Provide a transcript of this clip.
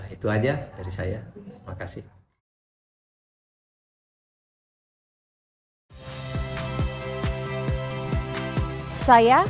itu saja dari saya